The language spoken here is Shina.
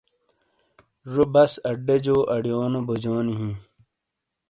ڙو بس اڈا جو اڑیونو بوجونی ہی۔